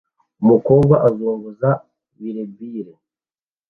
Umukobwa azunguza birebire